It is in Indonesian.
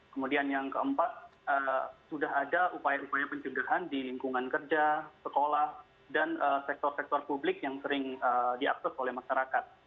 kemudian yang keempat sudah ada upaya upaya pencegahan di lingkungan kerja sekolah dan sektor sektor publik yang sering diakses oleh masyarakat